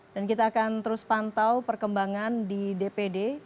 dan kita akan terus pantau perkembangan di dpd